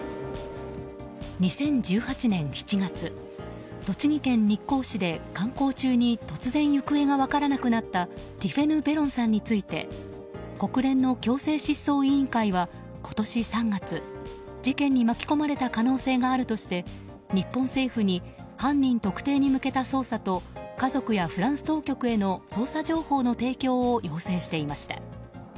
２０１８年７月栃木県日光市で観光中に突然行方が分からなくなったティフェヌ・ベロンさんについて国連の強制失踪委員会は今年３月事件に巻き込まれた可能性があるとして日本政府に犯人特定に向けた捜査と家族やフランス当局への捜査情報の提供を要請していました。